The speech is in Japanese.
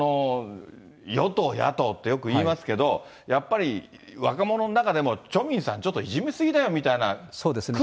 与党、野党ってよくいいますけど、やっぱり若者の中でも、チョ・ミンさん、ちょっといじめ過ぎだよという空気ある。